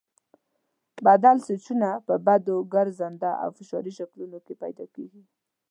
بدل سویچونه په دوو ګرځنده او فشاري شکلونو کې پیدا کېږي.